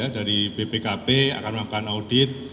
dari bpkp akan melakukan audit